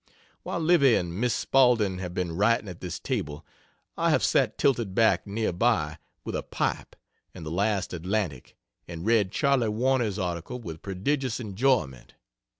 While Livy and Miss Spaulding have been writing at this table, I have sat tilted back, near by, with a pipe and the last Atlantic, and read Charley Warner's article with prodigious enjoyment.